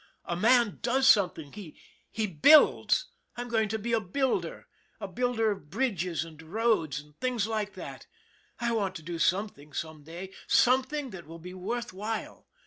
A man does something. He builds. I'm going to be a builder a builder of bridges and roads and things like that. I want to do something some day something that will be worth while.